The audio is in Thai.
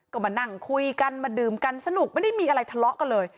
ก็มานั่งคุยกันมาดื่มกันสนุกไม่ได้มีอะไรทะเลาะกันเลย